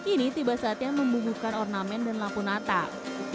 ini tiba saatnya membumbuhkan ornamen dan laku natal